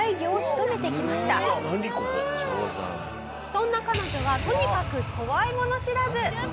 そんな彼女はとにかく怖いもの知らず。